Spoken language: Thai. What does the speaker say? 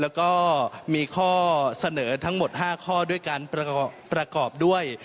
แล้วก็มีข้อเสนอทั้งหมด๕ข้อด้วยการประกอบด้วย